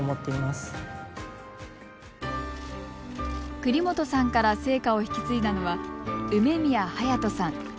栗本さんから聖火を引き継いだのは梅宮勇人さん。